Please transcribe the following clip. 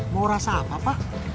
mau rasa apa pak